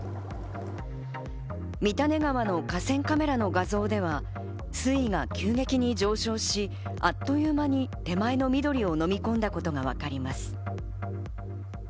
三種川の河川カメラの画像では、水位が急激に上昇し、あっという間に手前の緑をのみ込んだことがわかります。